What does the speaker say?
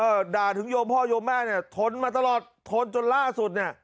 ด่าถึงโยมพ่อโยมแม่เนี่ยทนมาตลอดทนจนล่าสุดเนี่ย